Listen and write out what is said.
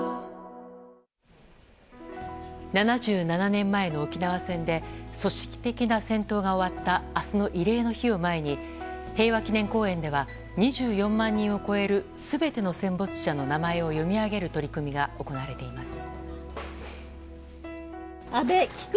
７７年前の沖縄戦で組織的な戦闘が終わった明日の慰霊の日を前に平和祈念公園では２４万人を超える全ての戦没者の名前を読み上げる取り組みが行われています。